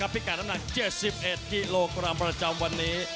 พิกัดน้ำหนัก๗๑กิโลกรัมประจำวันนี้